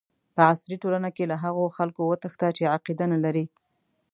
په عصري ټولنه کې له هغو خلکو وتښته چې عقیده نه لري.